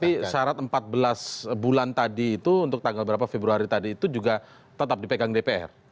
tapi syarat empat belas bulan tadi itu untuk tanggal berapa februari tadi itu juga tetap dipegang dpr